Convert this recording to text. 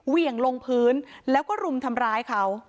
เหวี่ยงลงพื้นแล้วก็รุมทำร้ายเขา